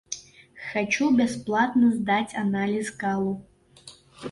Хачу бясплатна здаць аналіз калу.